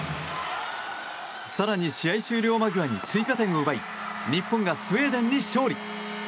更に試合終了間際に追加点を奪い日本がスウェーデンに勝利！